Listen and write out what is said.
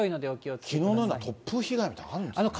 きのうのような突風被害あるんですか。